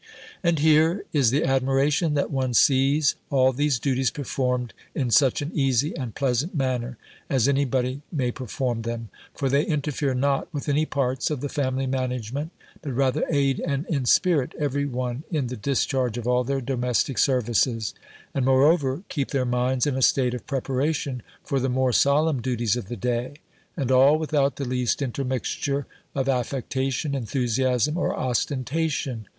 And, here, is the admiration, that one sees all these duties performed in such an easy and pleasant manner, as any body may perform them; for they interfere not with any parts of the family management; but rather aid and inspirit every one in the discharge of all their domestic services; and, moreover, keep their minds in a state of preparation for the more solemn duties of the day; and all without the least intermixture of affectation, enthusiasm, or ostentation.